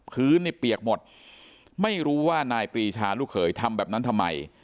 พื้นนี่เปียกหมดไม่รู้ว่านายปรีชาลูกเขยทำแบบนั้นทำไม